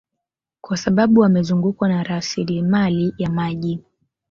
Kwa sababu wamezungukwa na rasilimali ya maji